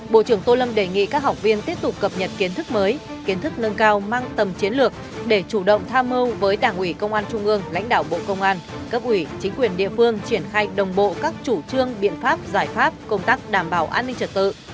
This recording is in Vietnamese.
bộ trưởng tô lâm đề nghị các học viên tiếp tục cập nhật kiến thức mới kiến thức nâng cao mang tầm chiến lược để chủ động tham mưu với đảng ủy công an trung ương lãnh đạo bộ công an cấp ủy chính quyền địa phương triển khai đồng bộ các chủ trương biện pháp giải pháp công tác đảm bảo an ninh trật tự